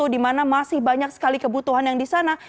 di mana masih banyak sekali kebutuhan yang di sana